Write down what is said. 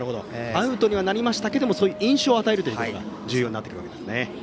アウトにはなりましたがそういう印象を与えることが重要になってくるわけですね。